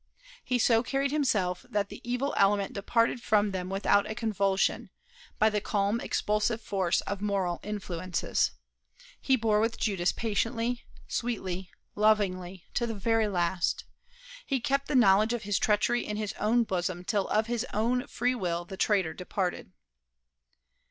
He so carried himself that the evil element departed from them without a convulsion, by the calm expulsive force of moral influences. He bore with Judas patiently, sweetly, lovingly, to the very last. He kept the knowledge of his treachery in his own bosom till of his own free will the traitor departed.